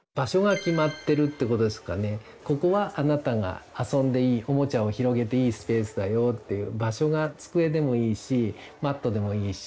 「ここはあなたが遊んでいいおもちゃを広げていいスペースだよ」っていう場所が机でもいいしマットでもいいし。